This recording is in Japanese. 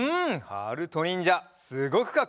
はるとにんじゃすごくかっこいい！